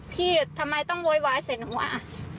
ที่ทำไมต้องโวยวายใส่หนูอ่ะ